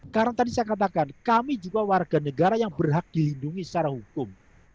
karena tadi saya katakan kami juga warga negara yang berhak dihidupi secara hukum